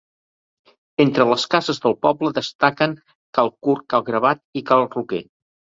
Entre les cases del poble destaquen Cal Curt, Cal Gravat i Cal Roquer.